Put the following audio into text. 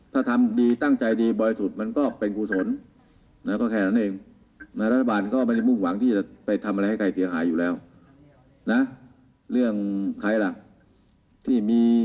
ถ้ามันดีก็โอเคขอบคุณทุกคนถ้าใครทำดีก็ได้ดี